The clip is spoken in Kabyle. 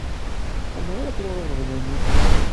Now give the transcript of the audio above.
Amer ara fruɣ iɣeblan-iw?